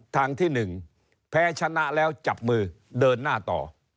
ทางที่๑แพ้ชนะแล้วจับมือเดินหน้าต่อ